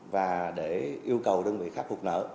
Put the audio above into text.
và để yêu cầu đơn vị khắc phục nợ